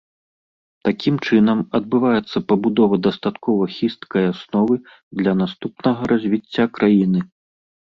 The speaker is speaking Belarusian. Такім чынам адбываецца пабудова дастаткова хісткай асновы для наступнага развіцця краіны.